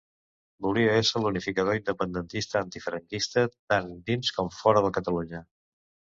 Volia ésser l'unificador independentista antifranquista tant dins com fora de Catalunya.